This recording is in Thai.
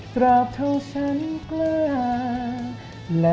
กราบเท่าฉันกล้า